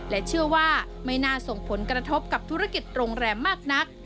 และเชื่อว่าไม่น่าส่งผลกระทบกับธุรกิจโรงแรมมากนัก